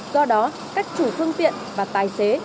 do đó các chủ phương tiện và tài xế